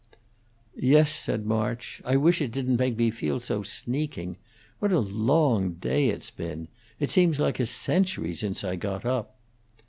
"Yes," said March, "I wish it didn't make me feel so sneaking. What a long day it's been! It seems like a century since I got up."